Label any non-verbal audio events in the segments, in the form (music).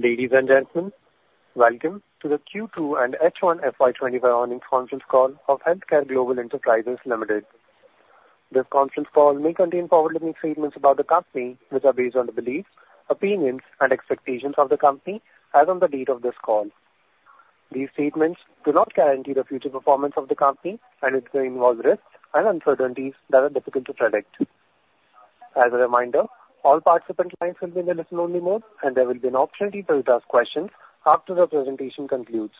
Ladies and gentlemen, welcome to the Q2 and H1 FY25 Earnings Conference Call of HealthCare Global Enterprises Limited. This conference call may contain forward-looking statements about the company, which are based on the beliefs, opinions, and expectations of the company as of the date of this call. These statements do not guarantee the future performance of the company, and it may involve risks and uncertainties that are difficult to predict. As a reminder, all participant clients will be in the listen-only mode, and there will be an opportunity to ask questions after the presentation concludes.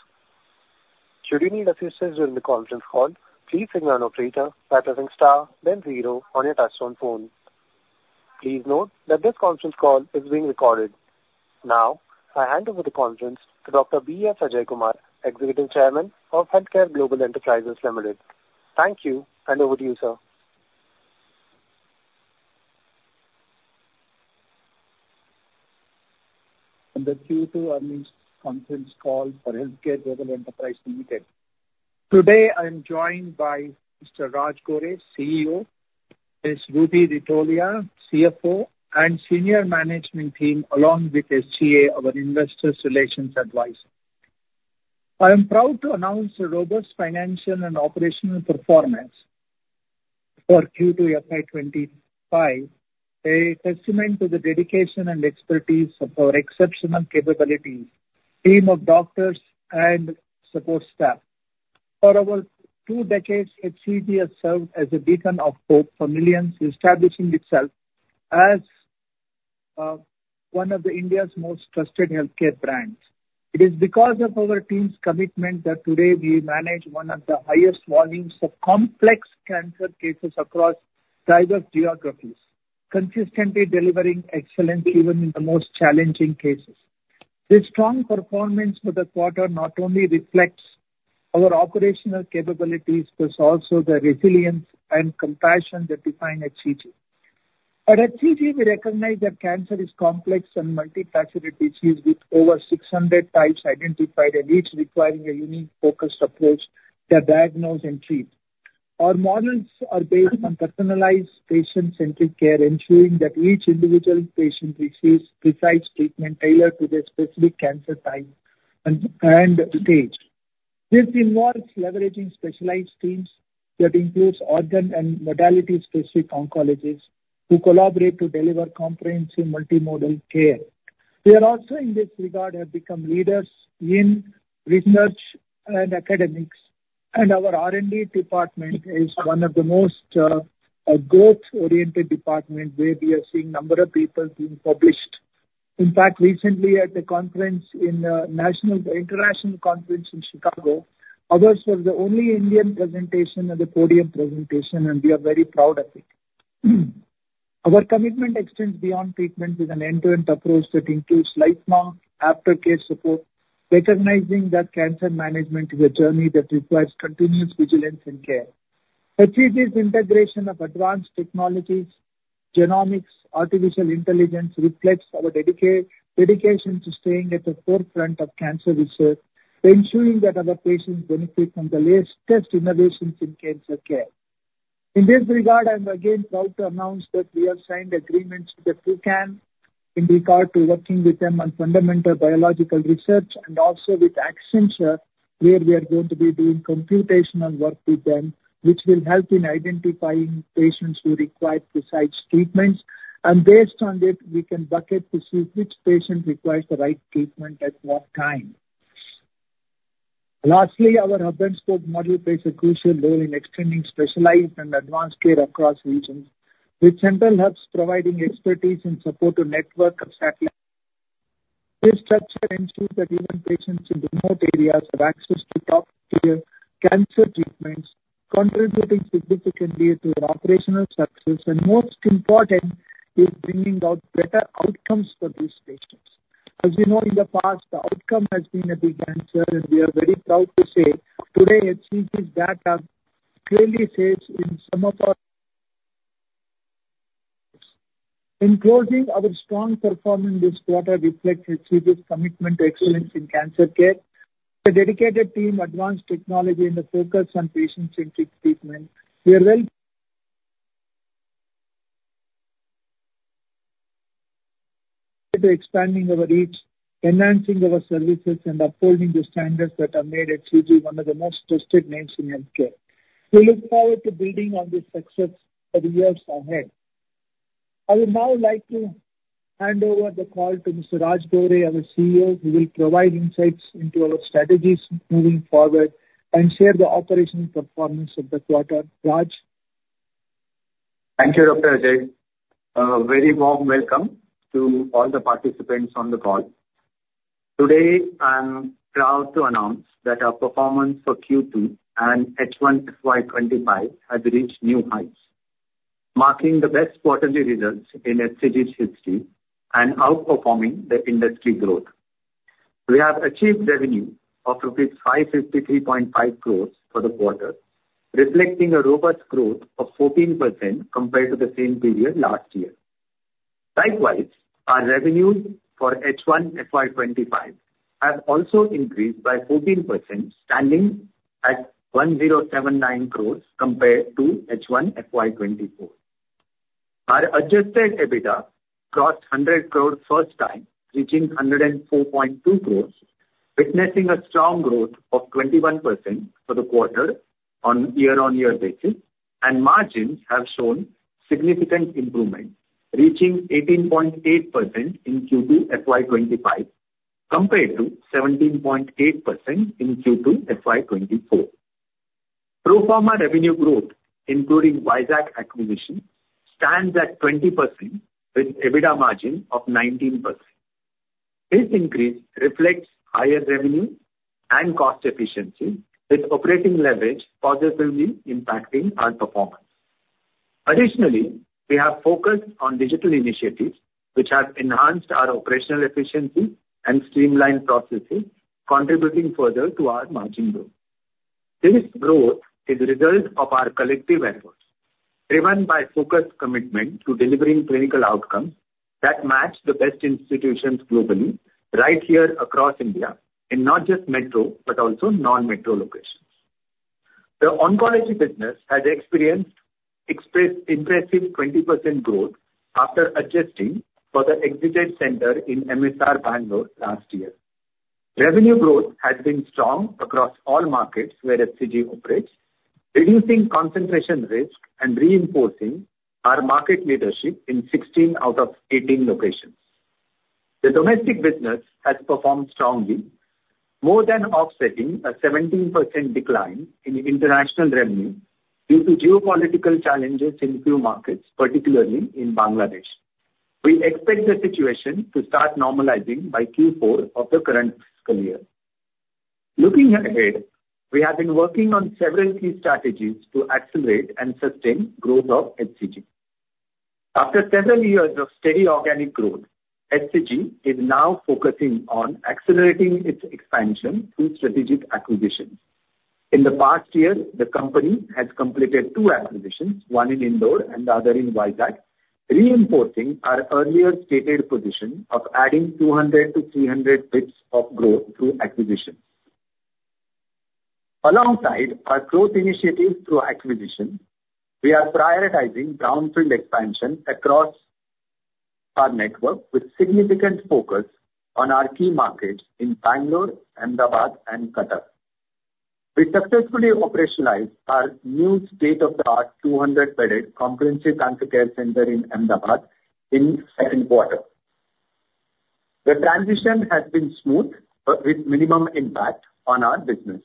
Should you need assistance during the conference call, please signal an operator by pressing * then 0 on your touch-tone phone. Please note that this conference call is being recorded. Now, I hand over the conference to Dr. B.S. Ajaikumar, Executive Chairman of HealthCare Global Enterprises Limited. Thank you, and over to you, sir. The Q2 earnings conference call for HealthCare Global Enterprises Limited. Today, I'm joined by Mr. Raj Gore, CEO, Ms. Ruby Ritolia, CFO, and senior management team along with SGA, our investor relations advisor. I am proud to announce the robust financial and operational performance for Q2 FY25, a testament to the dedication and expertise of our exceptional capabilities, team of doctors, and support staff. For over two decades, HCG has served as a beacon of hope for millions, establishing itself as one of India's most trusted healthcare brands. It is because of our team's commitment that today we manage one of the highest volumes of complex cancer cases across diverse geographies, consistently delivering excellence even in the most challenging cases. This strong performance for the quarter not only reflects our operational capabilities, but also the resilience and compassion that define HCG. At HCG, we recognize that cancer is a complex and multifaceted disease with over 600 types identified, and each requiring a unique focused approach to diagnose and treat. Our models are based on personalized, patient-centric care, ensuring that each individual patient receives precise treatment tailored to their specific cancer type and stage. This involves leveraging specialized teams that include organ and modality-specific oncologists who collaborate to deliver comprehensive multimodal care. We are also, in this regard, have become leaders in research and academics, and our R&D department is one of the most growth-oriented departments where we are seeing a number of papers being published. In fact, recently at the conference, in the international conference in Chicago, ours was the only Indian presentation at the podium presentation, and we are very proud of it. Our commitment extends beyond treatment with an end-to-end approach that includes lifelong aftercare support, recognizing that cancer management is a journey that requires continuous vigilance and care. HCG's integration of advanced technologies, genomics, and artificial intelligence reflects our dedication to staying at the forefront of cancer research, ensuring that our patients benefit from the latest innovations in cancer care. In this regard, I'm again proud to announce that we have signed agreements with the ProCan in regard to working with them on fundamental biological research, and also with Accenture, where we are going to be doing computational work with them, which will help in identifying patients who require precise treatments, and based on that, we can bucket to see which patient requires the right treatment at what time. Lastly, our hub-and-spoke model plays a crucial role in extending specialized and advanced care across regions, with central hubs providing expertise and support to a network of satellites. This structure ensures that even patients in remote areas have access to top-tier cancer treatments, contributing significantly to our operational success, and most importantly, bringing out better outcomes for these patients. As we know, in the past, the outcome has been a big answer, and we are very proud to say today HCG's data clearly says in some of our. In closing, our strong performance this quarter reflects HCG's commitment to excellence in cancer care, a dedicated team, advanced technology, and a focus on patient-centric treatment. We are well expanding our reach, enhancing our services, and upholding the standards that have made HCG one of the most trusted names in healthcare. We look forward to building on this success for the years ahead. I would now like to hand over the call to Mr. Raj Gore, our CEO, who will provide insights into our strategies moving forward and share the operational performance of the quarter. Raj? Thank you, Dr. Ajaikumar. A very warm welcome to all the participants on the call. Today, I'm proud to announce that our performance for Q2 and H1 FY25 has reached new heights, marking the best quarterly results in HCG's history and outperforming the industry growth. We have achieved revenue of rupees 553.5 crores for the quarter, reflecting a robust growth of 14% compared to the same period last year. Likewise, our revenue for H1 FY25 has also increased by 14%, standing at 107.9 crores compared to H1 FY24. Our adjusted EBITDA crossed 100 crores first time, reaching 104.2 crores, witnessing a strong growth of 21% for the quarter on year-on-year basis, and margins have shown significant improvement, reaching 18.8% in Q2 FY25 compared to 17.8% in Q2 FY24. Pro forma revenue growth, including Vizag acquisition, stands at 20%, with EBITDA margin of 19%. This increase reflects higher revenue and cost efficiency, with operating leverage positively impacting our performance. Additionally, we have focused on digital initiatives, which have enhanced our operational efficiency and streamlined processes, contributing further to our margin growth. This growth is the result of our collective efforts, driven by focused commitment to delivering clinical outcomes that match the best institutions globally, right here across India, in not just metro but also non-metro locations. The oncology business has experienced impressive 20% growth after adjusting for the exited center in MSR Bangalore last year. Revenue growth has been strong across all markets where HCG operates, reducing concentration risk and reinforcing our market leadership in 16 out of 18 locations. The domestic business has performed strongly, more than offsetting a 17% decline in international revenue due to geopolitical challenges in a few markets, particularly in Bangladesh. We expect the situation to start normalizing by Q4 of the current fiscal year. Looking ahead, we have been working on several key strategies to accelerate and sustain the growth of HCG. After several years of steady organic growth, HCG is now focusing on accelerating its expansion through strategic acquisitions. In the past year, the company has completed two acquisitions, one in Indore and the other in Visakhapatnam, reinforcing our earlier stated position of adding 200 to 300 beds of growth through acquisitions. Alongside our growth initiatives through acquisitions, we are prioritizing brownfield expansion across our network, with significant focus on our key markets in Bangalore, Ahmedabad, and Cuttack. We successfully operationalized our new state-of-the-art 200-bedded comprehensive cancer care center in Ahmedabad in Q2. The transition has been smooth, with minimum impact on our business.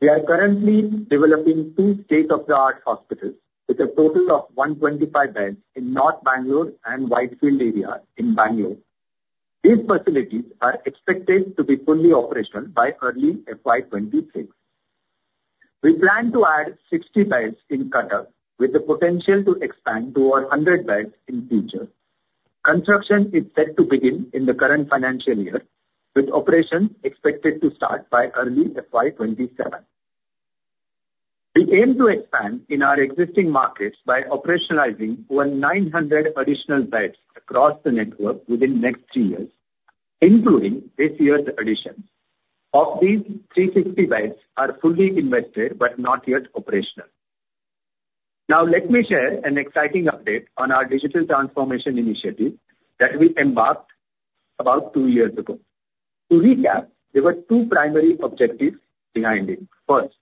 We are currently developing two state-of-the-art hospitals with a total of 125 beds in North Bangalore and Whitefield area in Bangalore. These facilities are expected to be fully operational by early FY26. We plan to add 60 beds in Cuttack, with the potential to expand to over 100 beds in the future. Construction is set to begin in the current financial year, with operations expected to start by early FY27. We aim to expand in our existing markets by operationalizing over 900 additional beds across the network within the next three years, including this year's addition. Of these, 350 beds are fully invested but not yet operational. Now, let me share an exciting update on our digital transformation initiative that we embarked on about two years ago. To recap, there were two primary objectives behind it. First,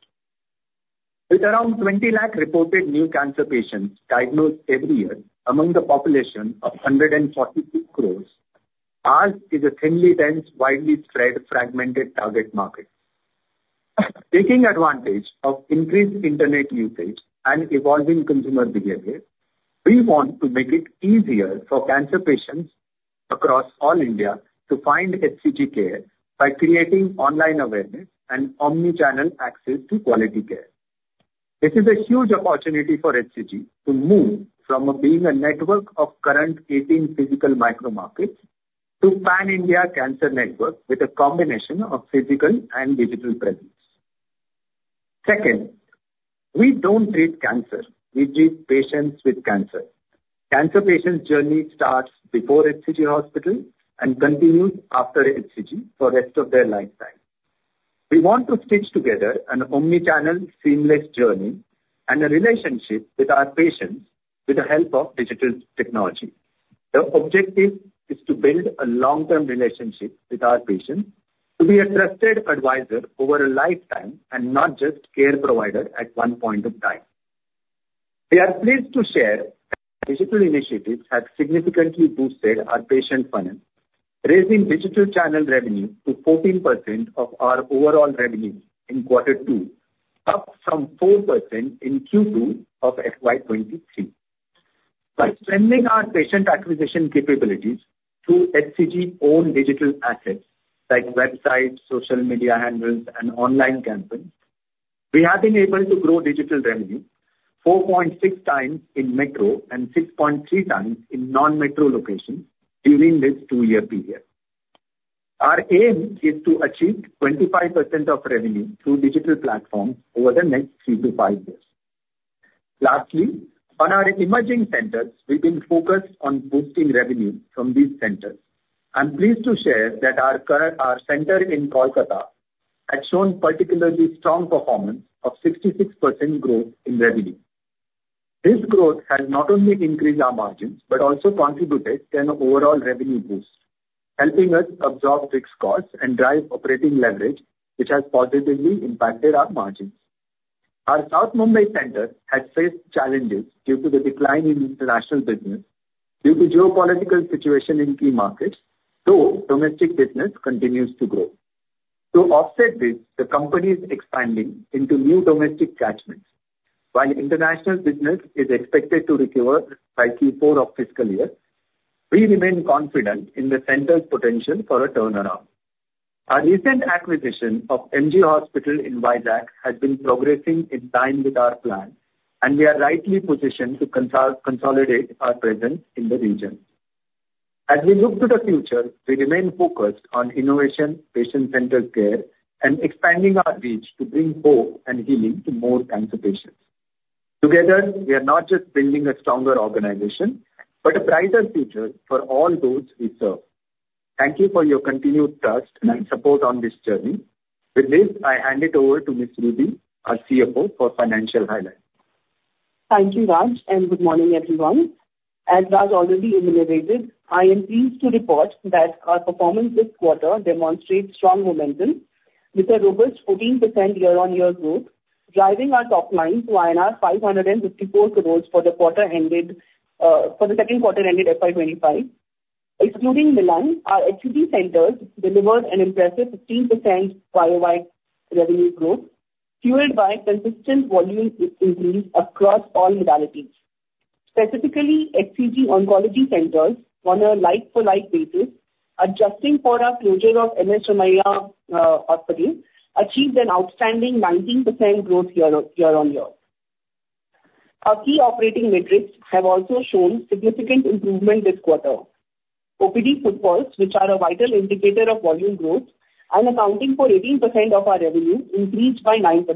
with around 20 lakh reported new cancer patients diagnosed every year among the population of 146 crores, ours is a thinly dense, widely spread, fragmented target market. Taking advantage of increased internet usage and evolving consumer behavior, we want to make it easier for cancer patients across all India to find HCG care by creating online awareness and omnichannel access to quality care. This is a huge opportunity for HCG to move from being a network of current 18 physical micro markets to a pan-India cancer network with a combination of physical and digital presence. Second, we don't treat cancer. We treat patients with cancer. Cancer patients' journey starts before HCG hospital and continues after HCG for the rest of their lifetime. We want to stitch together an omnichannel, seamless journey and a relationship with our patients with the help of digital technology. The objective is to build a long-term relationship with our patients, to be a trusted advisor over a lifetime and not just a care provider at one point in time. We are pleased to share that digital initiatives have significantly boosted our patient finance, raising digital channel revenue to 14% of our overall revenue in Q2, up from 4% in Q2 of FY23. By strengthening our patient acquisition capabilities through HCG-owned digital assets like websites, social media handles, and online campaigns, we have been able to grow digital revenue 4.6x in metro and 6.3x in non-metro locations during this two-year period. Our aim is to achieve 25% of revenue through digital platforms over the next three to five years. Lastly, on our emerging centers, we've been focused on boosting revenue from these centers. I'm pleased to share that our center in Kolkata has shown particularly strong performance of 66% growth in revenue. This growth has not only increased our margins but also contributed to an overall revenue boost, helping us absorb fixed costs and drive operating leverage, which has positively impacted our margins. Our South Mumbai center has faced challenges due to the decline in international business, due to the geopolitical situation in key markets, though domestic business continues to grow. To offset this, the company is expanding into new domestic catchments. While international business is expected to recover by Q4 of fiscal year, we remain confident in the center's potential for a turnaround. Our recent acquisition of MG Hospital in Visakhapatnam has been progressing in line with our plan, and we are rightly positioned to consolidate our presence in the region. As we look to the future, we remain focused on innovation, patient-centered care, and expanding our reach to bring hope and healing to more cancer patients. Together, we are not just building a stronger organization but a brighter future for all those we serve. Thank you for your continued trust and support on this journey. With this, I hand it over to Ms. Ruby, our CFO, for financial highlights. Thank you, Raj, and good morning, everyone. As Raj already elaborated, I am pleased to report that our performance this quarter demonstrates strong momentum with a robust 14% year-on-year growth, driving our top line to INR 554 crores for Q2-ended FY25. Excluding Milann, our HCG centers delivered an impressive 15% year-on-year revenue growth, fueled by consistent volume increase across all modalities. Specifically, HCG oncology centers, on a like-for-like basis, adjusting for our closure of M.S. Ramaiah Hospital, achieved an outstanding 19% growth year-on-year. Our key operating metrics have also shown significant improvement this quarter. OPD footfalls, which are a vital indicator of volume growth, are accounting for 18% of our revenue, increased by 9%.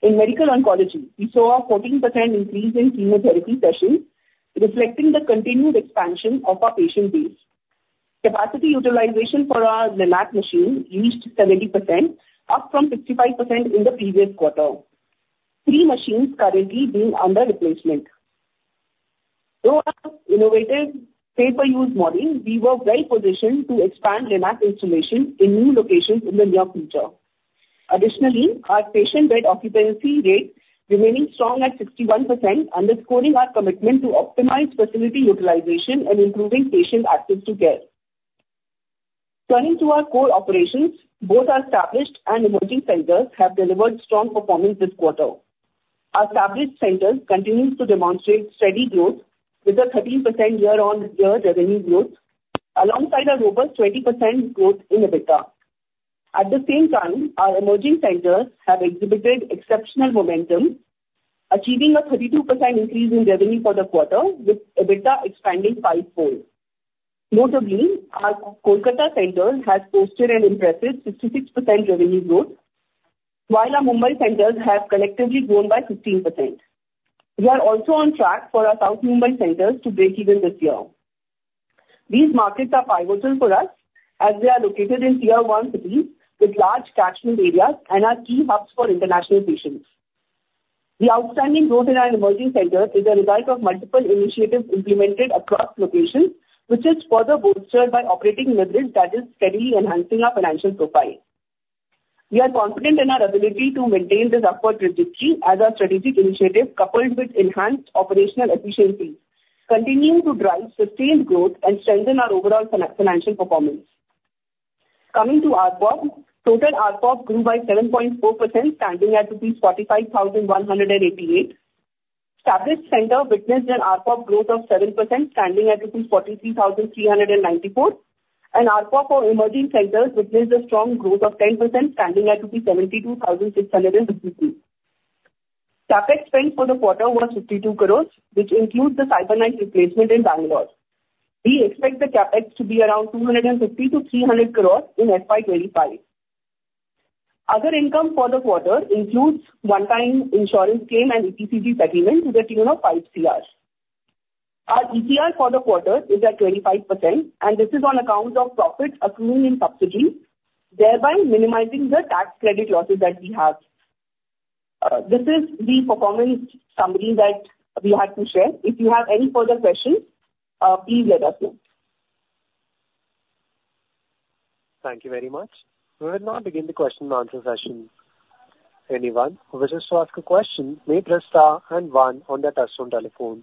In medical oncology, we saw a 14% increase in chemotherapy sessions, reflecting the continued expansion of our patient base. Capacity utilization for our Linac machine reached 70%, up from 55% in the previous quarter, with three machines currently being under replacement. Through our innovative hub-and-spoke model, we were well-positioned to expand Linac installations in new locations in the near future. Additionally, our patient bed occupancy rate remained strong at 61%, underscoring our commitment to optimize facility utilization and improving patient access to care. Turning to our core operations, both our established and emerging centers have delivered strong performance this quarter. Our established centers continue to demonstrate steady growth with a 13% year-on-year revenue growth, alongside a robust 20% growth in EBITDA. At the same time, our emerging centers have exhibited exceptional momentum, achieving a 32% increase in revenue for the quarter, with EBITDA expanding fivefold. Notably, our Kolkata center has posted an impressive 66% revenue growth, while our Mumbai centers have collectively grown by 15%. We are also on track for our South Mumbai centers to break even this year. These markets are pivotal for us as they are located in tier-one cities with large catchment areas and are key hubs for international patients. The outstanding growth in our emerging centers is a result of multiple initiatives implemented across locations, which is further bolstered by operating leverage that is steadily enhancing our financial profile. We are confident in our ability to maintain this upward trajectory as our strategic initiatives, coupled with enhanced operational efficiencies, continue to drive sustained growth and strengthen our overall financial performance. Coming to ARPOP, total ARPOP grew by 7.4%, standing at rupees 45,188. Established centers witnessed an ARPOP growth of 7%, standing at rupees 43,394, and ARPOP for emerging centers witnessed a strong growth of 10%, standing at rupees 72,652. CapEx spent for the quarter was 52 crores, which includes the CyberKnife replacement in Bangalore. We expect the CapEx to be around 250 to 300 crores in FY25. Other income for the quarter includes one-time insurance claim and EPCG settlement to the tune of 5 crores. Our ETR for the quarter is at 25%, and this is on account of profits accruing in subsidies, thereby minimizing the tax credit losses that we have. This is the performance summary that we had to share. If you have any further questions, please let us know. Thank you very much. We will now begin the question-and-answer session. Anyone who wishes to ask a question may press Star and 1 on their touch-tone telephone.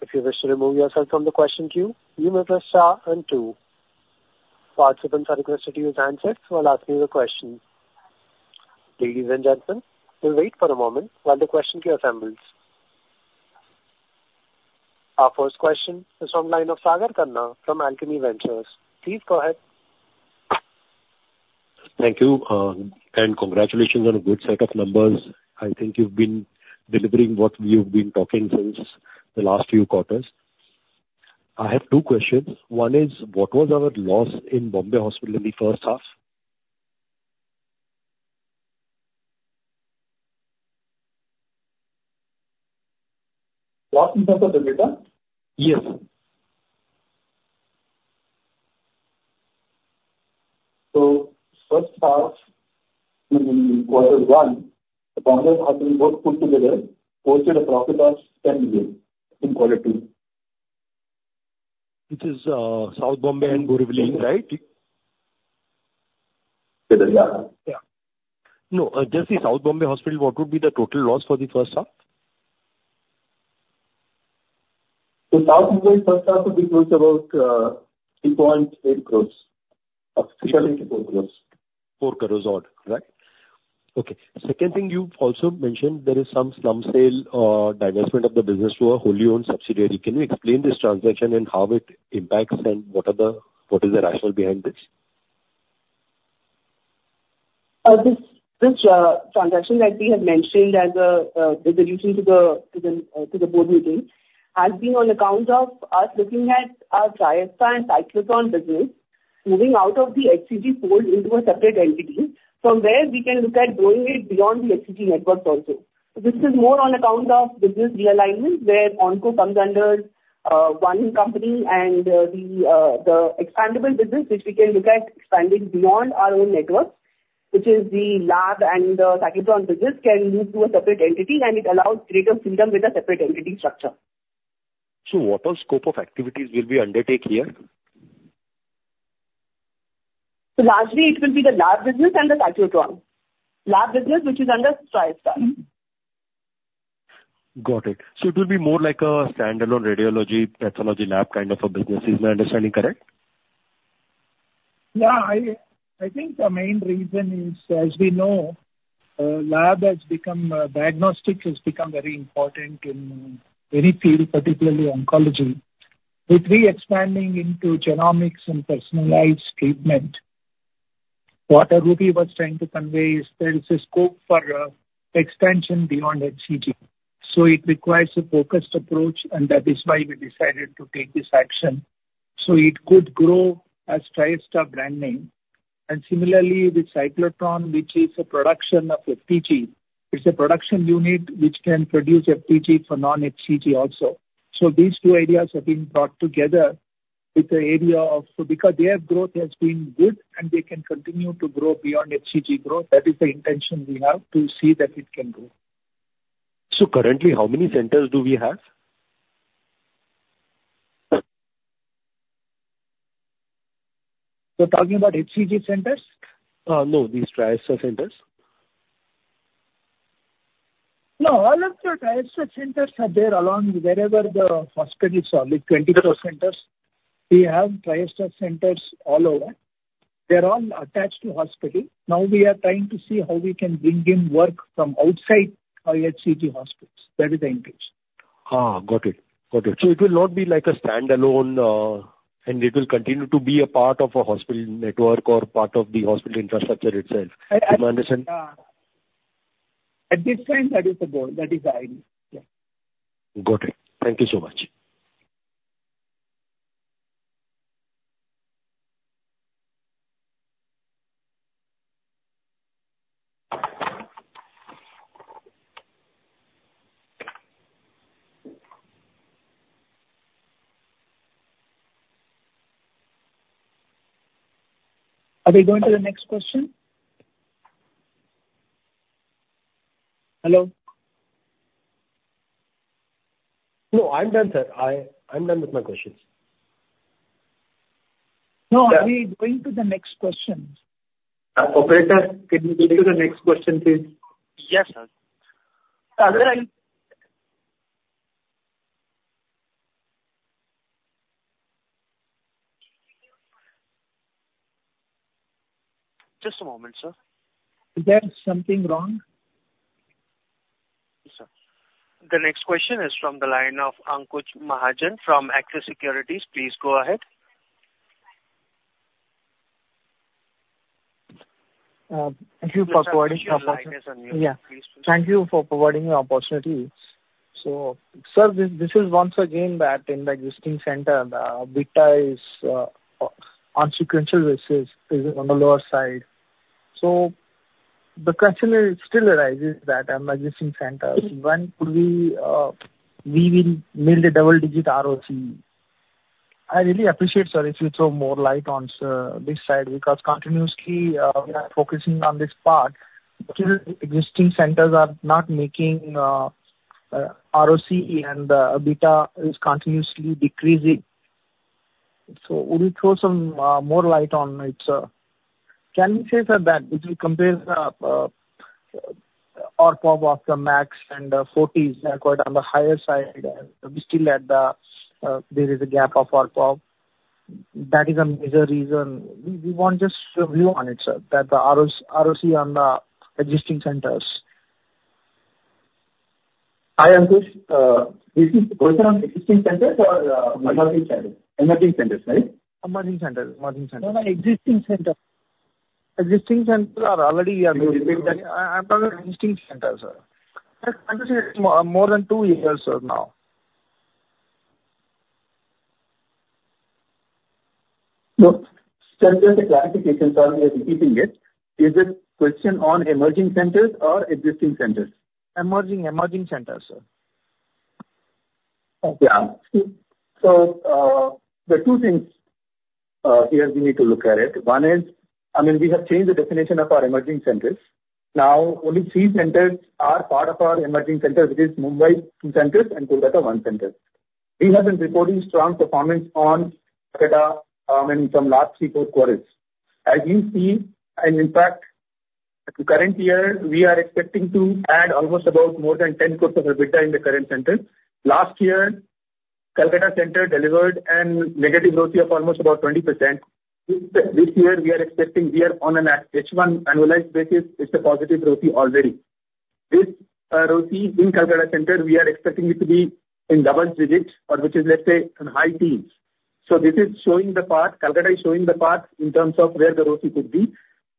If you wish to remove yourself from the question queue, you may press Star and 2. Participants are requested to use handsets while asking the question. Ladies and gentlemen, we'll wait for a moment while the question queue assembles. Our first question is from the line of Sagar Karna from Alchemy Capital Management. Please go ahead. Thank you, and congratulations on a good set of numbers. I think you've been delivering what we have been talking about since the last few quarters. I have two questions. One is, what was our loss in Bombay Hospital in the first half? Loss in terms of EBITDA? Yes. First half, in Q1, Bombay Hospital put together posted a profit of 10 million in Q2. This is South Mumbai and Borivali, right? Yeah. No. Just say, South Bombay Hospital, what would be the total loss for the first half? So South Mumbai first half would be close about 3.8 crores, officially 4 crores. 4 crores odd, right? Okay. Second thing you also mentioned, there is some slump sale or divestment of the business to a wholly-owned subsidiary. Can you explain this transaction and how it impacts and what is the rationale behind this? This transaction that we have mentioned as a resolution to the board meeting has been on account of us looking at our Triesta and Cyclotron business moving out of the HCG fold into a separate entity, from where we can look at growing it beyond the HCG networks also. So this is more on account of business realignment, where Onco comes under one company, and the expandable business, which we can look at expanding beyond our own networks, which is the lab and the Cyclotron business, can move to a separate entity, and it allows greater freedom with a separate entity structure. What are the scopes of activities we will undertake here? Largely, it will be the lab business and the Cyclotron lab business, which is under Triesta. Got it. So it will be more like a standalone radiology pathology lab kind of a business. Is my understanding correct? Yeah. I think the main reason is, as we know, lab has become diagnostics has become very important in any field, particularly oncology, with re-expanding into genomics and personalized treatment. What Ruby was trying to convey is there is a scope for extension beyond HCG. So it requires a focused approach, and that is why we decided to take this action. So it could grow as Triesta brand name. And similarly, with Cyclotron, which is a production of FDG, it's a production unit which can produce FDG for non-HCG also. So these two ideas have been brought together with the area of because their growth has been good, and they can continue to grow beyond HCG growth. That is the intention we have to see that it can grow. So currently, how many centers do we have? You're talking about HCG centers? No, these Triesta centers. No, all of the Triesta centers are there along wherever the hospitals are, with 24 centers. We have Triesta centers all over. They're all attached to hospitals. Now we are trying to see how we can bring in work from outside our HCG hospitals. That is the intention. Got it. Got it. So it will not be like a standalone, and it will continue to be a part of a hospital network or part of the hospital infrastructure itself. Do you understand? At this time, that is the goal. That is the idea. Got it. Thank you so much. Are we going to the next question? Hello? No, I'm done, sir. I'm done with my questions. No, are we going to the next question? Operator, can you go to the next question, please? Yes, sir. Just a moment, sir. Is there something wrong? Yes, sir. The next question is from the line of Ankush Mahajan from Axis Securities. Please go ahead. Thank you for providing your opportunity. So, sir, this is once again that in the existing center, the EBITDA is on sequential basis, is on the lower side. So the question still arises that in existing centers, when will we build a double-digit ROC? I really appreciate, sir, if you throw more light on this side because continuously we are focusing on this part. Existing centers are not making ROC, and EBITDA is continuously decreasing. So would you throw some more light on it, sir? Can we say, sir, that if you compare ARPOB of the Max and Fortis, they are quite on the higher side, and we still have the there is a gap of ARPOB? That is a major reason. We want just a view on it, sir, that the ROC on the existing centers. Hi, Ankush. Is this the question on existing centers or emerging centers? Emerging centers, right? No, no, existing centers. Existing centers are already emerging. I'm talking about existing centers, sir. It's more than two years, sir, now. Just a clarification, sir, regarding it. Is the question on emerging centers or existing centers? Emerging centers, sir. Okay, so there are two things here we need to look at. One is, I mean, we have changed the definition of our emerging centers. Now, only three centers are part of our emerging centers, which is Mumbai, two centers, and Kolkata, one center. We have been reporting strong performance on Kolkata in some last three, four quarters. As you see, and in fact, at the current year, we are expecting to add almost about more than 10 quarters of EBITDA in the current centers. Last year, Kolkata center delivered a negative ROC of almost about 20%. This year, we are expecting we are on an H1 annualized basis. It's a positive ROC already. This ROC in Kolkata center, we are expecting it to be in double digits, which is, let's say, high teens. So this is showing the path. Kolkata is showing the path in terms of where the ROC could be.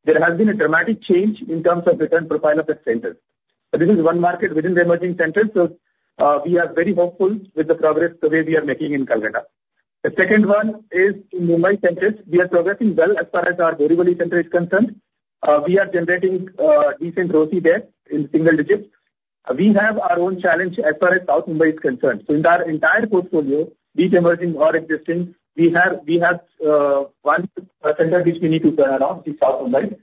There has been a dramatic change in terms of return profile of the centers. So this is one market within the emerging centers. So we are very hopeful with the progress the way we are making in Kolkata. The second one is in Mumbai centers. We are progressing well as far as our Borivali center is concerned. We are generating decent ROC there in single digits. We have our own challenge as far as South Mumbai is concerned. So in our entire portfolio, be it emerging or existing, we have one center which we need to turn around, which is South Mumbai.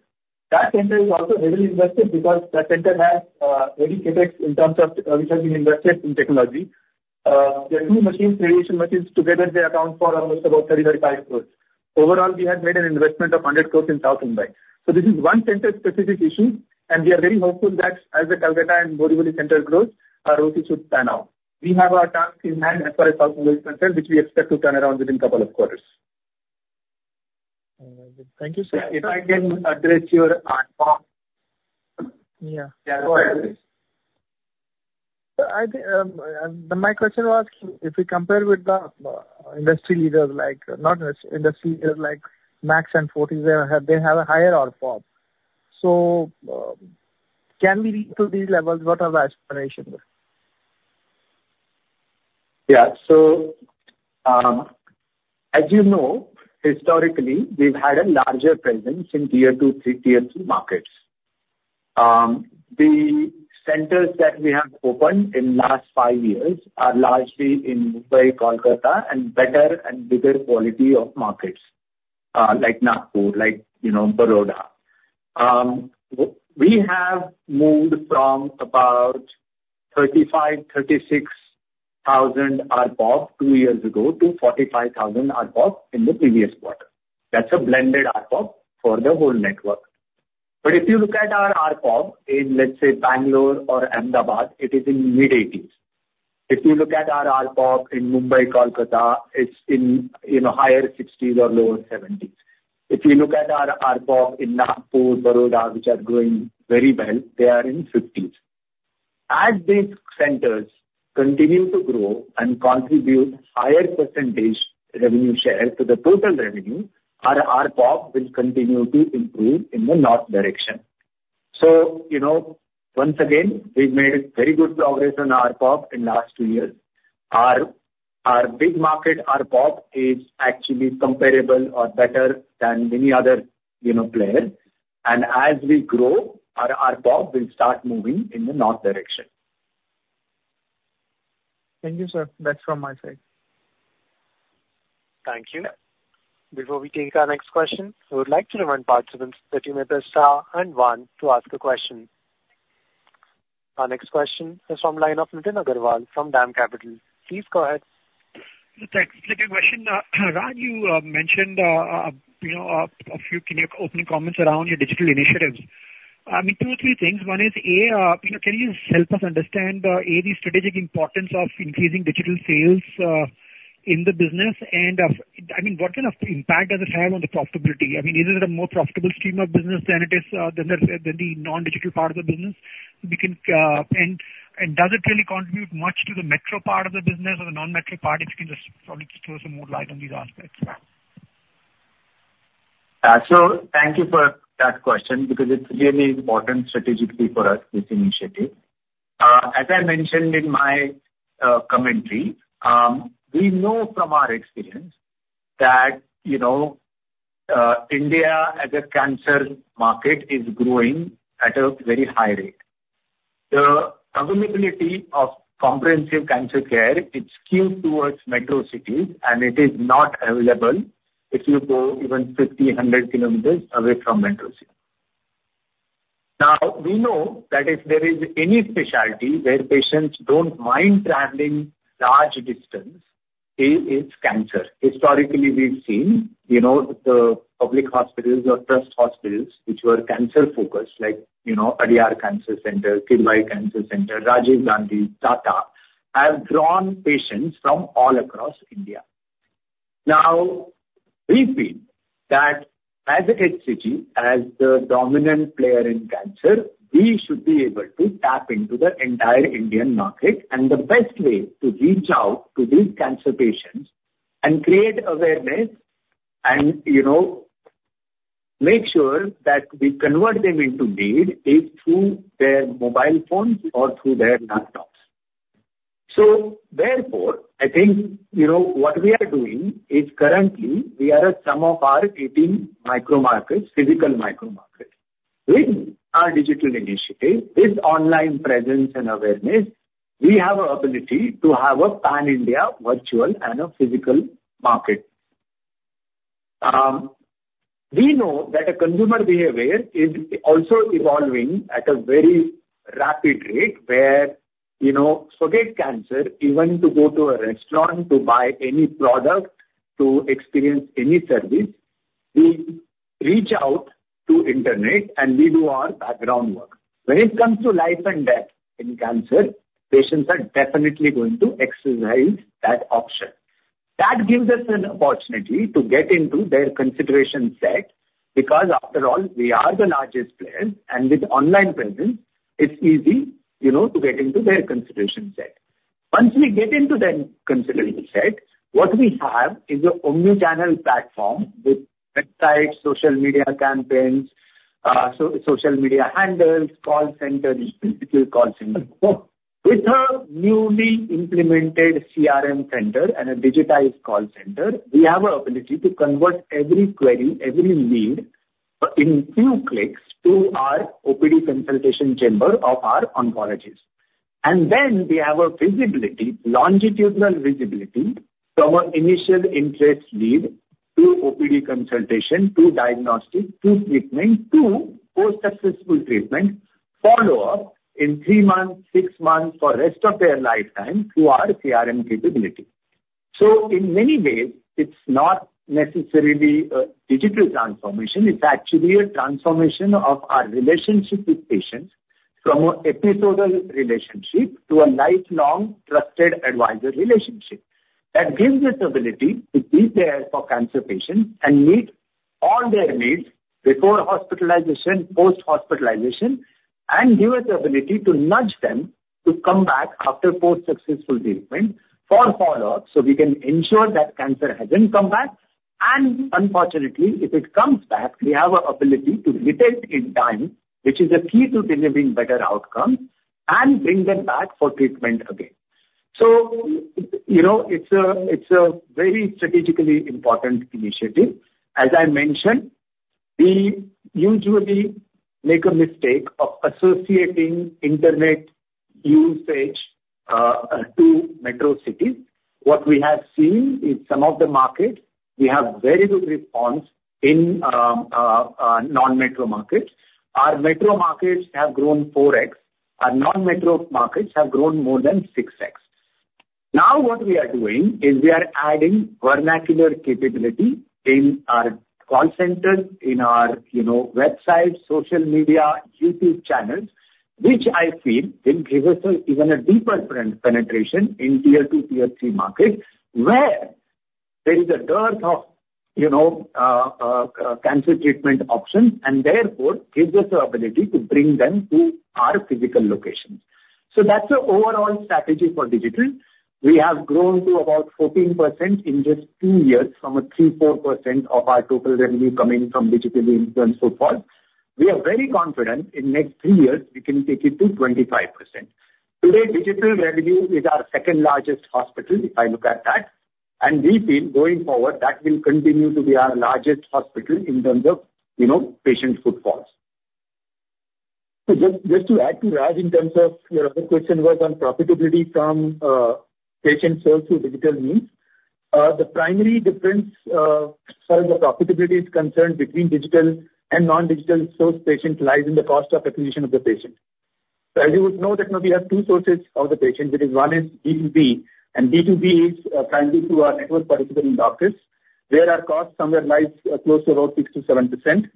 That center is also heavily invested because that center has heavy CapEx in terms of which has been invested in technology. There are two machines, radiation machines. Together, they account for almost about 30 to 35 crores. Overall, we have made an investment of 100 crores in South Mumbai. So this is one center-specific issue, and we are very hopeful that as the Kolkata and Borivali center grows, our ROC should pan out. We have our tasks in hand as far as South Mumbai is concerned, which we expect to turn around within a couple of quarters. Thank you, sir. If I can address your ARPOB. Yeah. My question was, if we compare with the industry leaders, not industry leaders like Max and Fortis, they have a higher ARPOB. So can we reach to these levels? What are the aspirations? Yeah. So as you know, historically, we've had a larger presence in tier two, tier three markets. The centers that we have opened in the last five years are largely in Mumbai, Kolkata, and better and bigger quality of markets like Nagpur, like Baroda. We have moved from about 35,000-36,000 ARPOB two years ago to 45,000 ARPOB in the previous quarter. That's a blended ARPOB for the whole network. But if you look at our ARPOB in, let's say, Bangalore or Ahmedabad, it is in mid-80s. If you look at our ARPOB in Mumbai, Kolkata, it's in higher 60s or lower 70s. If you look at our ARPOB in Nagpur, Baroda, which are growing very well, they are in 50s. As these centers continue to grow and contribute higher percentage revenue share to the total revenue, our ARPOB will continue to improve in the north direction. So once again, we've made very good progress on ARPOB in the last two years. Our big market ARPOB is actually comparable or better than many other players. And as we grow, our ARPOB will start moving in the north direction. Thank you, sir. That's from my side. Thank you. Before we take our next question, we would like to remind participants that you may press Star and 1 to ask a question. Our next question is from the line of Nitin Agarwal from DAM Capital. Please go ahead. Thanks. Quick question. Raj, you mentioned a few opening comments around your digital initiatives. I mean, two or three things. One is, can you help us understand the strategic importance of increasing digital sales in the business? And I mean, what kind of impact does it have on the profitability? I mean, is it a more profitable stream of business than the non-digital part of the business? And does it really contribute much to the metro part of the business or the non-metro part if you can just probably throw some more light on these aspects? Thank you for that question because it's really important strategically for us, this initiative. As I mentioned in my commentary, we know from our experience that India as a cancer market is growing at a very high rate. The availability of comprehensive cancer care, it's skewed towards metro cities, and it is not available if you go even 50, 100 kilometers away from metro cities. Now, we know that if there is any specialty where patients don't mind traveling large distance, it's cancer. Historically, we've seen the public hospitals or trust hospitals which were cancer-focused, like Adyar Cancer Institute, Kidwai Memorial Institute of Oncology, Rajiv Gandhi Cancer Institute and Research Centre, Tata Memorial Centre, have drawn patients from all across India. Now, we feel that as a head city, as the dominant player in cancer, we should be able to tap into the entire Indian market. The best way to reach out to these cancer patients and create awareness and make sure that we convert them into aid is through their mobile phones or through their laptops. Therefore, I think what we are doing is currently, we are at some of our 18 micro markets, physical micro markets. With our digital initiative, with online presence and awareness, we have an ability to have a pan-India virtual and a physical market. We know that consumer behavior is also evolving at a very rapid rate where forget cancer, even to go to a restaurant to buy any product, to experience any service, we reach out to the internet, and we do our background work. When it comes to life and death in cancer, patients are definitely going to exercise that option. That gives us an opportunity to get into their consideration set because, after all, we are the largest player, and with online presence, it's easy to get into their consideration set. Once we get into their consideration set, what we have is an omnichannel platform with websites, social media campaigns, social media handles, call centers, physical call centers. With a newly implemented CRM center and a digitized call center, we have an ability to convert every query, every need in few clicks to our OPD consultation chamber of our oncologists, and then we have a visibility, longitudinal visibility from an initial interest lead to OPD consultation, to diagnostic, to treatment, to post-successful treatment, follow-up in three months, six months, for the rest of their lifetime through our CRM capability, so in many ways, it's not necessarily a digital transformation. It's actually a transformation of our relationship with patients from an episode relationship to a lifelong trusted advisor relationship. That gives us the ability to be there for cancer patients and meet all their needs before hospitalization, post-hospitalization, and give us the ability to nudge them to come back after post-successful treatment for follow-up so we can ensure that cancer hasn't come back. And unfortunately, if it comes back, we have an ability to retake in time, which is a key to delivering better outcomes and bring them back for treatment again. So it's a very strategically important initiative. As I mentioned, we usually make a mistake of associating internet usage to metro cities. What we have seen in some of the markets, we have very good response in non-metro markets. Our metro markets have grown 4x. Our non-metro markets have grown more than 6x. Now, what we are doing is we are adding vernacular capability in our call centers, in our website, social media, YouTube channels, which I feel will give us even a deeper penetration in tier two, tier three markets where there is a dearth of cancer treatment options and therefore gives us the ability to bring them to our physical locations. So that's the overall strategy for digital. We have grown to about 14% in just two years from a 3% to 4% of our total revenue coming from digital influence so far. We are very confident in the next three years, we can take it to 25%. Today, digital revenue is our second largest hospital, if I look at that. And we feel going forward, that will continue to be our largest hospital in terms of patient footfalls. Just to add to that, in terms of your other question was on profitability from patient sales through digital means. The primary difference as far as the profitability is concerned between digital and non-digital source patients lies in the cost of acquisition of the patient. As you would know, we have two sources of the patients. One is B2B, and B2B is primarily through our network participating doctors, where our cost somewhere lies close to about 6% to 7%.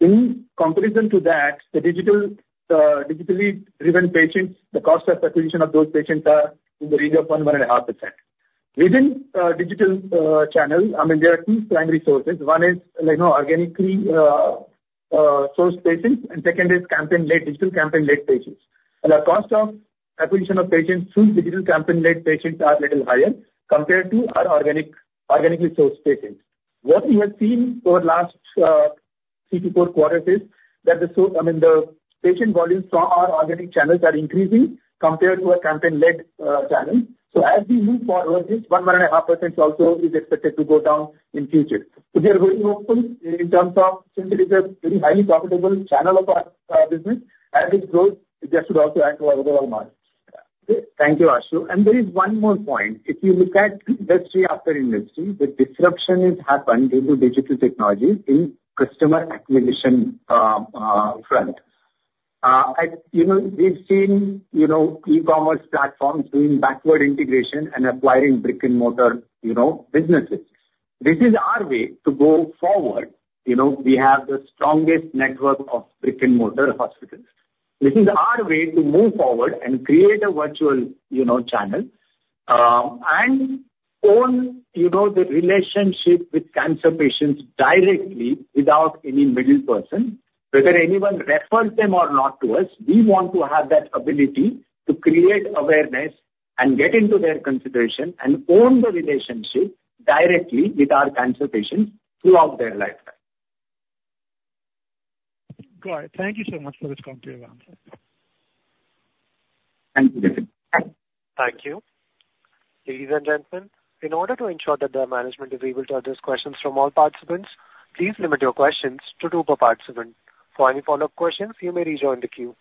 In comparison to that, the digitally driven patients, the cost of acquisition of those patients are in the range of 1% to 1.5%. Within digital channels, I mean, there are two primary sources. One is organically sourced patients, and second is digital campaign-led patients. The cost of acquisition of patients through digital campaign-led patients are a little higher compared to our organically sourced patients. What we have seen over the last three to four quarters is that the patient volumes from our organic channels are increasing compared to our campaign-led channels, so as we move forward, this 1% to 1.5% also is expected to go down in future, so we are very hopeful in terms of simply, it's a very highly profitable channel of our business. As it grows, it should also add to our overall market. Thank you, Ashu, and there is one more point. If you look at the industry after industry, the disruption has happened due to digital technology in customer acquisition front. We've seen e-commerce platforms doing backward integration and acquiring brick-and-mortar businesses. This is our way to go forward. We have the strongest network of brick-and-mortar hospitals. This is our way to move forward and create a virtual channel and own the relationship with cancer patients directly without any middle person. Whether anyone refers them or not to us, we want to have that ability to create awareness and get into their consideration and own the relationship directly with our cancer patients throughout their lifetime. Got it. Thank you so much for this comprehensive answer. Thank you, Nitin. Thank you. Ladies and gentlemen, in order to ensure that the management is able to address questions from all participants, please limit your questions to two per participant. For any follow-up questions, you may rejoin the queue.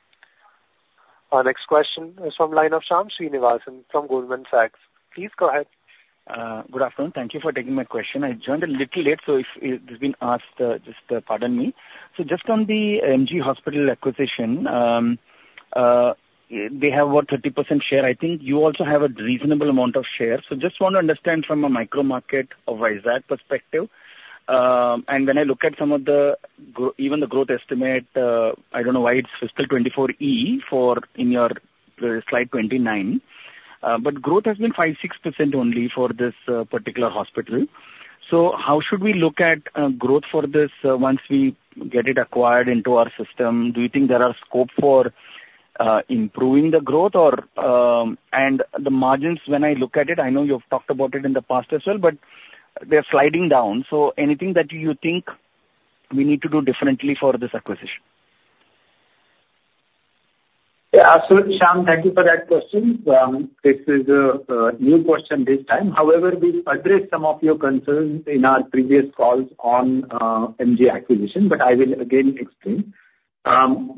Our next question is from the line of Shyam Srinivasan from Goldman Sachs. Please go ahead. Good afternoon. Thank you for taking my question. I joined a little late, so if it's been asked, just pardon me. So just on the MG Hospital acquisition, they have about 30% share. I think you also have a reasonable amount of share. So just want to understand from a micro market or Visakhapatnam perspective. And when I look at some of the even the growth estimate, I don't know why it's fiscal 2024E for in your slide 29, but growth has been 5% to 6% only for this particular hospital. So how should we look at growth for this once we get it acquired into our system? Do you think there is scope for improving the growth? And the margins, when I look at it, I know you've talked about it in the past as well, but they're sliding down. So anything that you think we need to do differently for this acquisition? Yeah, absolutely, Shyam. Thank you for that question. This is a new question this time. However, we've addressed some of your concerns in our previous calls on MG acquisition, but I will again explain.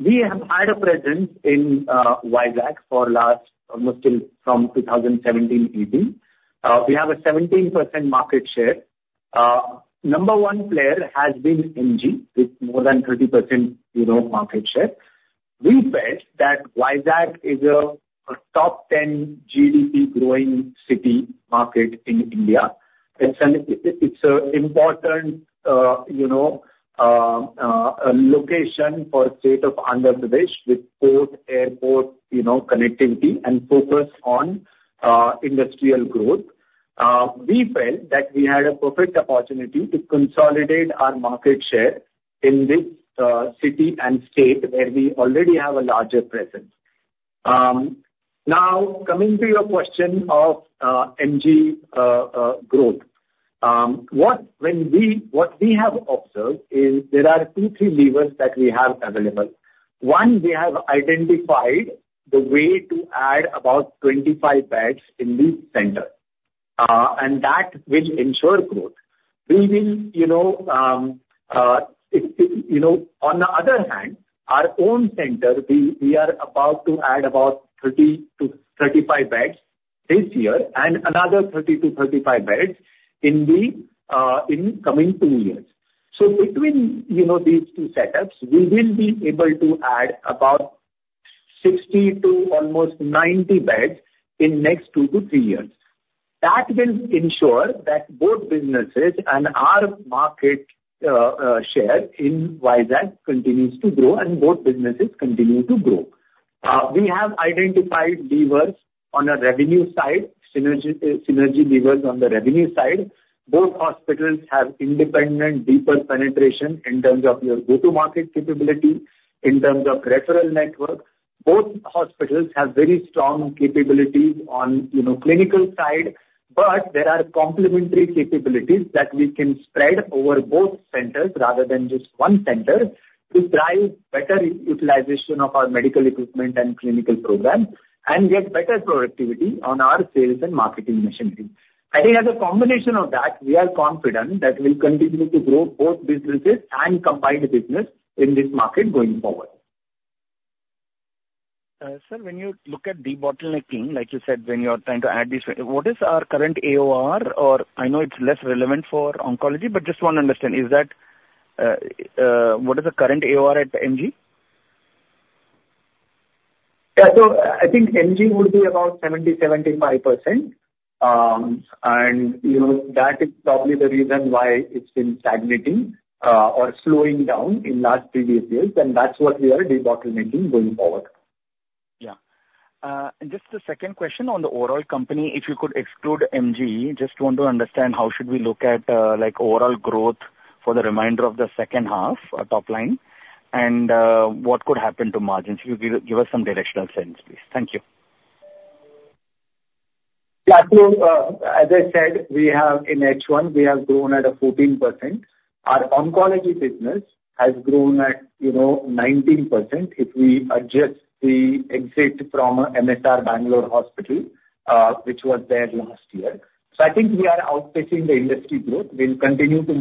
We have had a presence in Visakhapatnam for the last almost from 2017, 2018. We have a 17% market share. Number one player has been MG with more than 30% market share. We bet that Visakhapatnam is a top 10 GDP growing city market in India. It's an important location for the state of Andhra Pradesh with port, airport connectivity and focus on industrial growth. We felt that we had a perfect opportunity to consolidate our market share in this city and state where we already have a larger presence. Now, coming to your question of MG growth, what we have observed is there are two, three levers that we have available. One, we have identified the way to add about 25 beds in the center, and that will ensure growth. We will, on the other hand, our own center, we are about to add about 30-35 beds this year and another 30-35 beds in the coming two years. So between these two setups, we will be able to add about 60 to almost 90 beds in the next two-three years, so that will ensure that both businesses and our market share in Vizag continues to grow and both businesses continue to grow. We have identified levers on a revenue side, synergy levers on the revenue side. Both hospitals have independent deeper penetration in terms of your go-to-market capability, in terms of referral network. Both hospitals have very strong capabilities on the clinical side, but there are complementary capabilities that we can spread over both centers rather than just one center to drive better utilization of our medical equipment and clinical program and get better productivity on our sales and marketing machinery. I think as a combination of that, we are confident that we'll continue to grow both businesses and combined business in this market going forward. Sir, when you look at the bottlenecking, like you said, when you're trying to add these, what is our current AOR? Or I know it's less relevant for oncology, but just want to understand, what is the current AOR at MG? Yeah, so I think MG would be about 70% to 75%. That is probably the reason why it's been stagnating or slowing down in the last three years or so. That's what we are debottlenecking going forward. Yeah. And just the second question on the overall company, if you could exclude MG, just want to understand how should we look at overall growth for the remainder of the second half, top line, and what could happen to margins? If you could give us some directional sense, please. Thank you. Yeah, so as I said, in H1, we have grown at a 14%. Our oncology business has grown at 19% if we adjust the exit from MSR Bangalore Hospital, which was there last year. So I think we are outpacing the industry growth. We'll continue to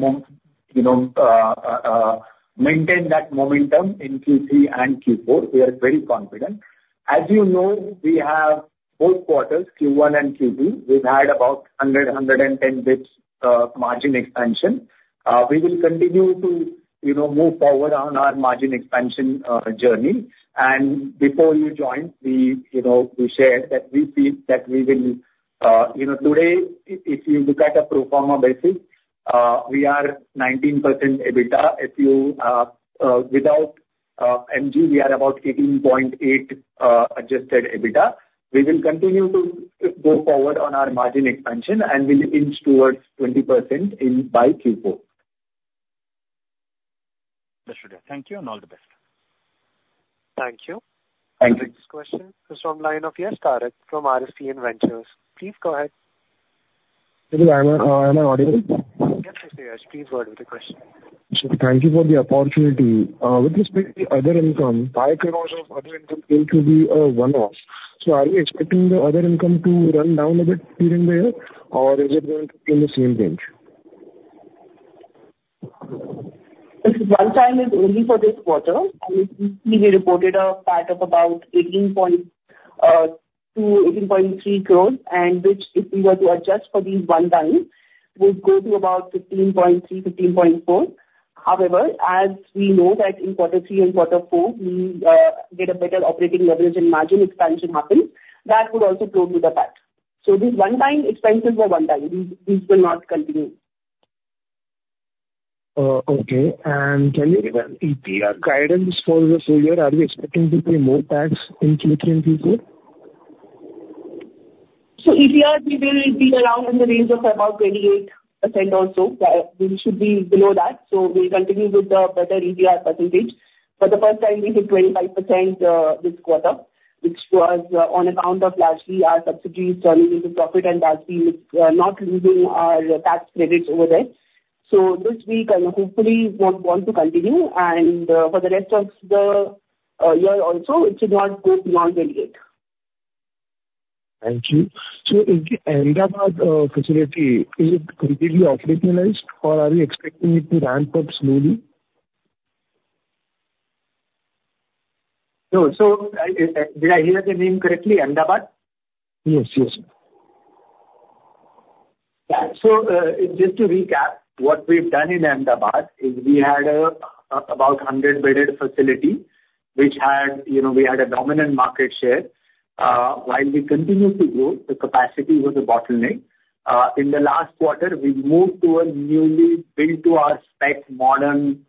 maintain that momentum in Q3 and Q4. We are very confident. As you know, we have both quarters, Q1 and Q2, we've had about 100, 110 basis points margin expansion. We will continue to move forward on our margin expansion journey. And before you joined, we shared that we feel that we will today, if you look at a pro forma basis, we are 19% EBITDA. Without MG, we are about 18.8% adjusted EBITDA. We will continue to go forward on our margin expansion and we'll inch towards 20% by Q4. Yes, Shreedhar. Thank you and all the best. Thank you. Thank you. Next question is from the line of Yash Tarek from RSC Inventors. Please go ahead. This is Aiman. Are you on audio? Yes, I see Yash. Please go ahead with the question. Thank you for the opportunity. With respect to other income, HCG's other income is going to be a one-off. So are we expecting the other income to run down a bit here and there, or is it going to be in the same range? This one-time is only for this quarter. We reported a PAT of about INR 18.2 to 18.3 crore, which if we were to adjust for this one-time, would go to about 15.3 to 15.4 crore. However, as we know that in Q3 and Q4, we get a better operating leverage and margin expansion happens, that would also close to the PAT. These one-time expenses were one-time. These will not continue. Okay. And can you give an ETR guidance for the full year? Are we expecting to pay more tax in Q3 and Q4? So ETR, we will be around in the range of about 28% or so. We should be below that. So we'll continue with the better ETR percentage. For the first time, we hit 25% this quarter, which was on account of largely our subsidies turning into profit, and thus we're not losing our tax credits over there. So this week, and hopefully, we want to continue. And for the rest of the year also, it should not go beyond 28%. Thank you. So in the Ahmedabad facility, is it completely operationalized, or are we expecting it to ramp up slowly? Did I hear the name correctly, Ahmedabad? Yes, yes. So, just to recap, what we've done in Ahmedabad is we had about a 100-bedded facility, which we had a dominant market share. While we continued to grow, the capacity was a bottleneck. In the last quarter, we moved to a newly built-to-our-spec modern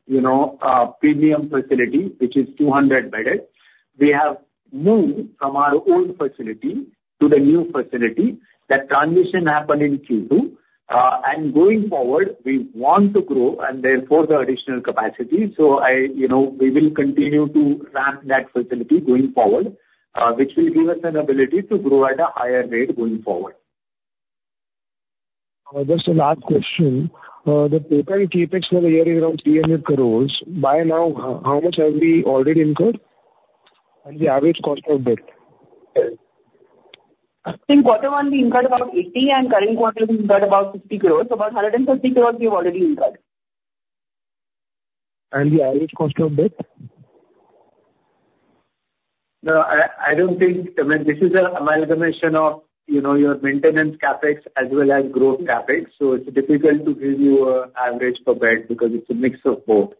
premium facility, which is 200-bedded. We have moved from our old facility to the new facility. That transition happened in Q2. And going forward, we want to grow and therefore the additional capacity. So we will continue to ramp that facility going forward, which will give us an ability to grow at a higher rate going forward. Just a last question. The total CapEx for the year is around 300 crores. By now, how much have we already incurred? And the average cost of debt? I think Q1, we incurred about 80 crores, and current quarter, we incurred about 50 crores. About 150 crores we've already incurred. The average cost of debt? No, I don't think this is an amalgamation of your maintenance CapEx as well as growth CapEx. So it's difficult to give you an average per bed because it's a mix of both.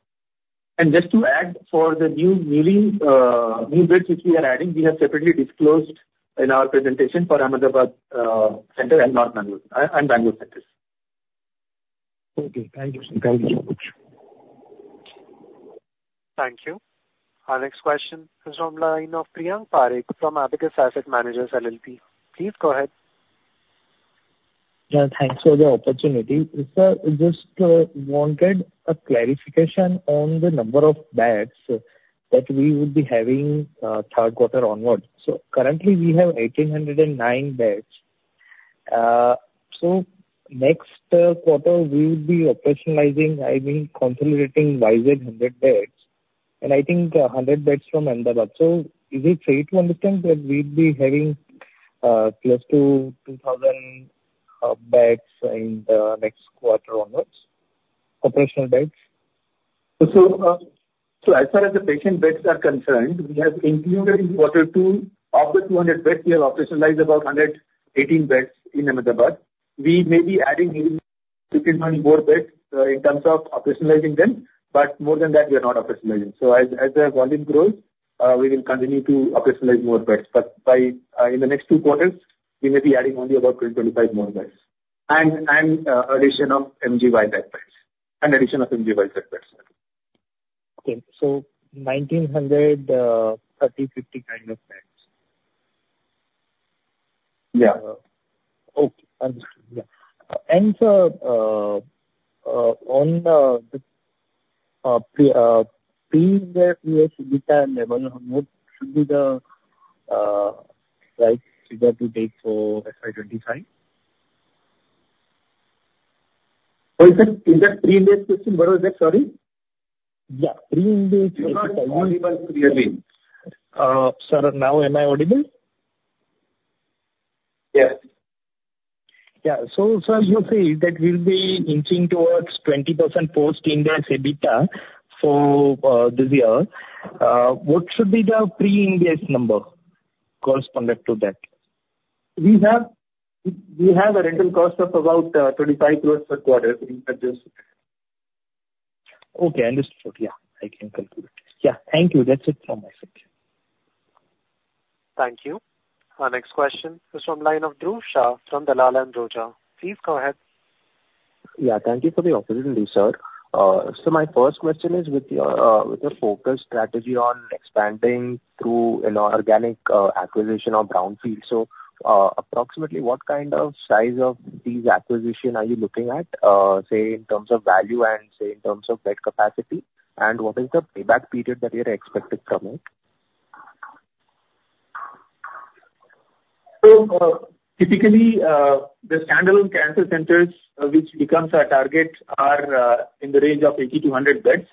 And just to add, for the new beds which we are adding, we have separately disclosed in our presentation for Ahmedabad center and Bangalore centers. Okay. Thank you, sir. Thank you so much. Thank you. Our next question is from the line of Priyank Parekh from Abakkus Asset Managers, LLP. Please go ahead. Yeah, thanks for the opportunity. Sir, I just wanted a clarification on the number of beds that we would be having Q3 onward. So currently, we have 1,809 beds. So next quarter, we will be operationalizing, I mean, consolidating Visakhapatnam 100 beds. And I think 100 beds from Ahmedabad. So is it fair to understand that we'd be having close to 2,000 beds in the next quarter onwards? Operational beds? As far as the patient beds are concerned, we have included in Q2 of the 200 beds. We have operationalized about 118 beds in Ahmedabad. We may be adding maybe 15-24 beds in terms of operationalizing them, but more than that, we are not operationalizing. As the volume grows, we will continue to operationalize more beds. But in the next two quarters, we may be adding only about 20-25 more beds and addition of MG Vizag beds. Okay. So 1,900, 30, 50 kind of beds. Yeah. Okay. Understood. Yeah, and sir, on the pre-index level, what should be the right figure to take for FY25? Is that pre-index question? What was that? Sorry? Yeah. Pre-index question. (inaudible) Sir, now am I audible? Yes. Yeah. So sir, you say that we'll be inching towards 20% post-index EBITDA for this year. What should be the pre-index number corresponding to that? We have a rental cost of about 25 crores per quarter. We've adjusted. Okay. Understood. Yeah. I can conclude. Yeah. Thank you. That's it from my side. Thank you. Our next question is from the line of Dhruv Shah from Dalal & Broacha. Please go ahead. Yeah. Thank you for the opportunity, sir. So my first question is with the focus strategy on expanding through organic acquisition of brownfields. So approximately what kind of size of these acquisitions are you looking at, say, in terms of value and say, in terms of bed capacity? And what is the payback period that you're expecting from it? Typically, the standalone cancer centers, which becomes our target, are in the range of 80-100 beds.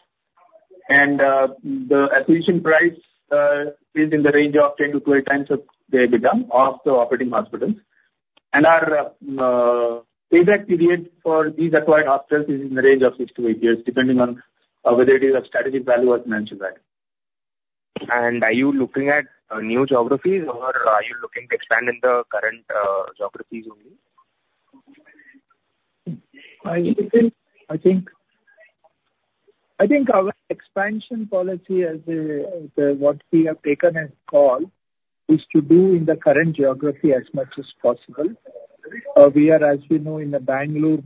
The acquisition price is in the range of 10 to 12x of the EBITDA of the operating hospitals. Our payback period for these acquired hospitals is in the range of six to eight years, depending on whether it is a strategic value or financial value. Are you looking at new geographies, or are you looking to expand in the current geographies only? I think our expansion policy as what we have taken a call is to do in the current geography as much as possible. We are, as we know, in Bangalore,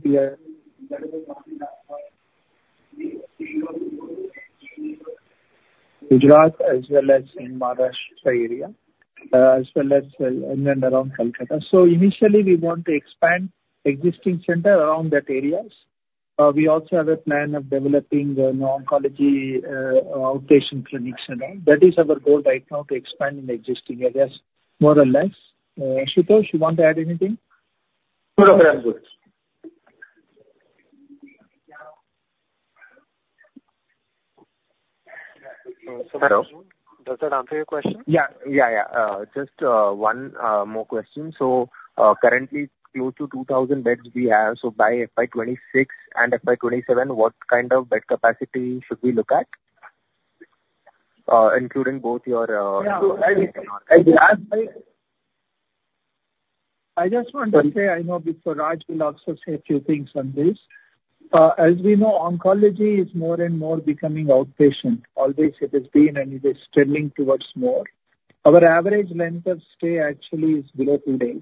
Gujarat, as well as in Maharashtra area, as well as in and around Kolkata. So initially, we want to expand existing centers around that areas. We also have a plan of developing oncology outpatient clinics. That is our goal right now, to expand in existing areas more or less. Ashutosh, you want to add anything? No, no, sir. I'm good. Hello? Does that answer your question? Yeah, yeah, yeah. Just one more question. So currently, close to 2,000 beds we have. So by FY26 and FY27, what kind of bed capacity should we look at, including both your? Yeah. I just want to say I know before Raj will also say a few things on this. As we know, oncology is more and more becoming outpatient. Always it has been, and it is trending towards more. Our average length of stay actually is below two days.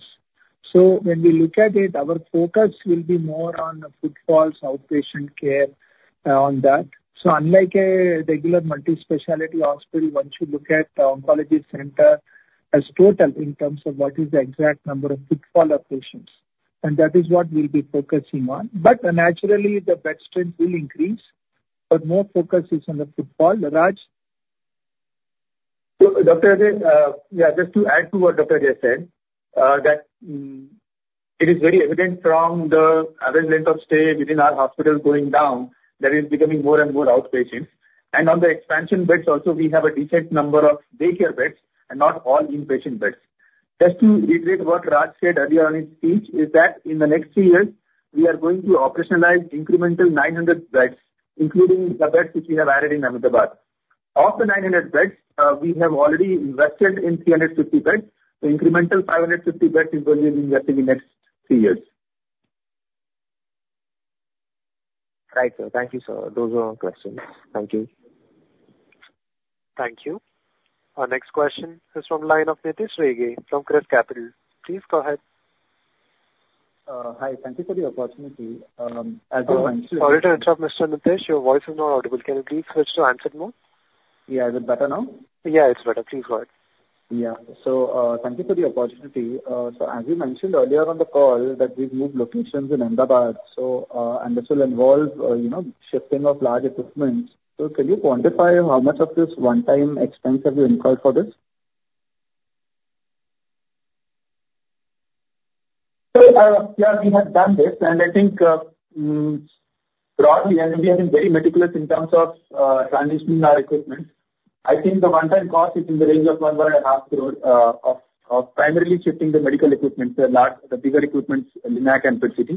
So when we look at it, our focus will be more on footfalls, outpatient care on that. So unlike a regular multi-specialty hospital, once you look at the oncology center as total in terms of what is the exact number of footfall of patients. And that is what we'll be focusing on. But naturally, the bed strength will increase, but more focus is on the footfall. Raj? So Dr. Ajaikumar, yeah, just to add to what Dr. Ajaikumar said that it is very evident from the average length of stay within our hospitals going down that it is becoming more and more outpatient. And on the expansion beds also, we have a decent number of daycare beds and not all inpatient beds. Just to reiterate what Raj said earlier on his speech is that in the next three years, we are going to operationalize incremental 900 beds, including the beds which we have added in Ahmedabad. Of the 900 beds, we have already invested in 350 beds. The incremental 550 beds is what we're investing in the next three years. Right. Thank you, sir. Those are all questions. Thank you. Thank you. Our next question is from the line of Nitesh Ragai from Kreos Capital. Please go ahead. Hi. Thank you for the opportunity. As you mentioned. Sorry to interrupt, Mr. Nitesh. Your voice is not audible. Can you please switch to handset mode? Yeah. Is it better now? Yeah, it's better. Please go ahead. Yeah. So thank you for the opportunity. So as you mentioned earlier on the call that we've moved locations in Ahmedabad. And this will involve shifting of large equipment. So can you quantify how much of this one-time expense have you incurred for this? Yeah, we have done this. I think broadly, we have been very meticulous in terms of transitioning our equipment. I think the one-time cost is in the range of 1.5 crore of primarily shifting the medical equipment, the bigger equipments, Linac and PET-CT.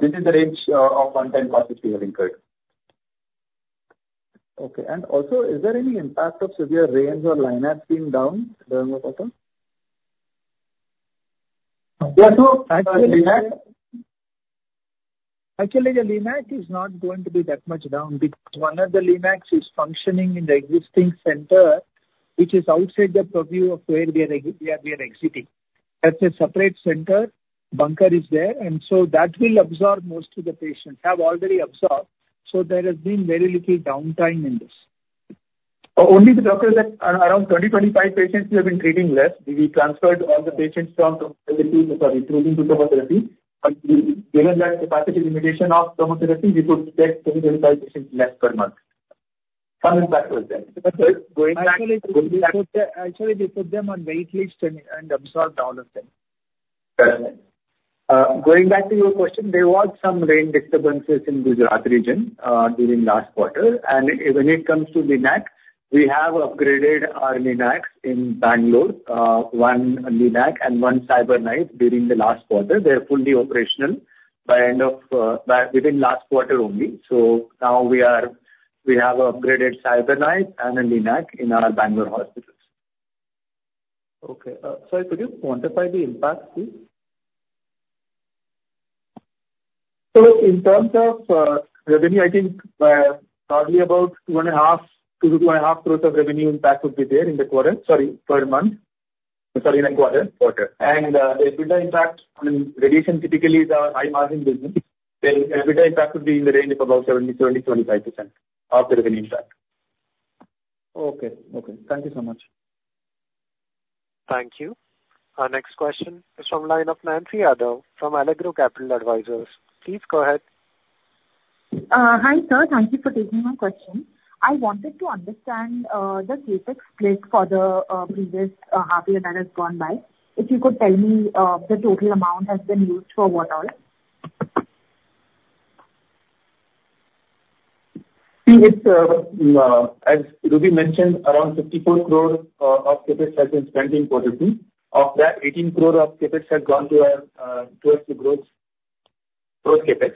This is the range of one-time costs that we have incurred. Okay. And also, is there any impact of severe rains or LINACs being down during the quarter? Yeah. So actually, Linac is not going to be that much down because one of the Linacs is functioning in the existing center, which is outside the purview of where we are exiting. That's a separate center. Bunker is there. And so that will absorb most of the patients, have already absorbed. So there has been very little downtime in this. Only the doctors that around 20-25 patients we have been treating left. We transferred all the patients from TomoTherapy to, sorry, to TomoTherapy. But given that capacity limitation of TomoTherapy, we could take 20-25 patients less per month. Some impact was there. Actually, they put them on waitlist and absorbed all of them. That's right. Going back to your question, there were some rain disturbances in Gujarat region during last quarter. And when it comes to Linac, we have upgraded our Linacs in Bangalore, one Linac and one CyberKnife during the last quarter. They're fully operational by end of within last quarter only. So now we have upgraded CyberKnife and a Linac in our Bangalore hospitals. Okay. Sorry, could you quantify the impact, please? So in terms of revenue, I think probably about 1.5 to 2.5 crores of revenue impact would be there in the quarter. Sorry, per month. Sorry, in a quarter. Quarter. And the EBITDA impact on radiation typically is our high-margin business. The EBITDA impact would be in the range of about 70%, 20%, 25% of the revenue impact. Okay. Okay. Thank you so much. Thank you. Our next question is from the line of Nancy Ara from Allegro Capital Advisors. Please go ahead. Hi, sir. Thank you for taking my question. I wanted to understand the CapEx split for the previous half year that has gone by. If you could tell me the total amount has been used for what all? See, as Ruby mentioned, around 54 crores of CapEx has been spent in Q2. Of that, 18 crores of CapEx has gone to our gross CapEx.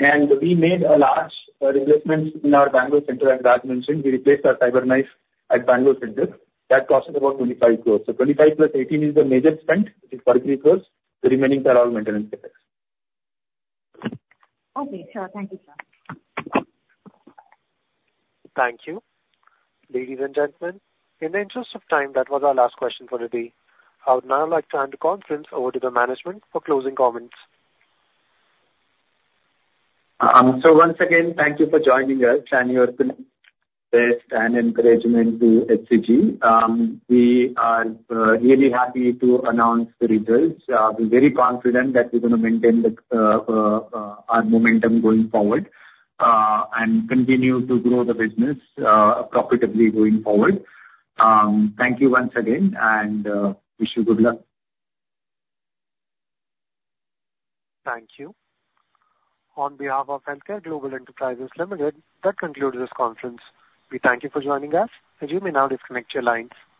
And we made a large replacement in our Bangalore center. As Raj mentioned, we replaced our CyberKnife at Bangalore center. That costed about 25 crores. So 25 plus 18 is the major spent, which is 43 crores. The remaining are all maintenance CapEx. Okay. Sure. Thank you, sir. Thank you. Ladies and gentlemen, in the interest of time, that was our last question for today. I would now like to hand the conference over to the management for closing comments. So once again, thank you for joining us and your best and encouragement to HCG. We are really happy to announce the results. We're very confident that we're going to maintain our momentum going forward and continue to grow the business profitably going forward. Thank you once again and wish you good luck. Thank you. On behalf of HealthCare Global Enterprises Limited, that concludes this conference. We thank you for joining us. As you may now disconnect your lines.